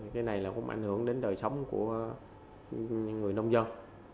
cái này là cũng ảnh hưởng đến đời sống của người nông dân